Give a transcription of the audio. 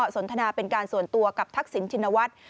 สนทนาเป็นการส่วนตัวกับทักษิณชินวัฒน์